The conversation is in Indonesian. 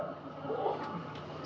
lalu army menjawab oke mantap